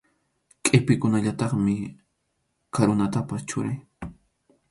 Qʼipiqkunallataqmi karunatapas churaq.